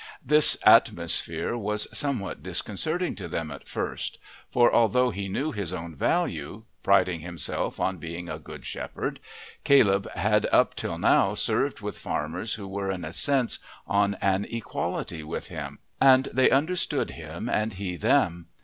This atmosphere was somewhat disconcerting to them at first, for although he knew his own value, priding himself on being a "good shepherd," Caleb had up till now served with farmers who were in a sense on an equality with him, and they understood him and he them.